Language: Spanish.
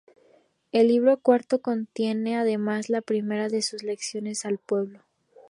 El libro cuarto contiene, además, la primera de sus "Lecciones al pueblo".